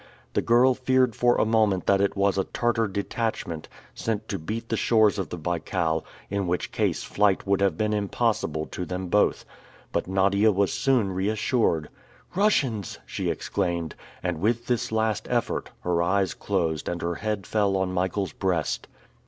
The girl feared for a moment that it was a Tartar detachment, sent to beat the shores of the Baikal, in which case flight would have been impossible to them both. But Nadia was soon reassured. "Russians!" she exclaimed. And with this last effort, her eyes closed and her head fell on Michael's breast.